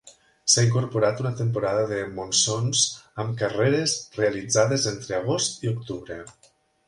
S'ha incorporat una temporada de monsons amb carreres realitzades entre agost i octubre.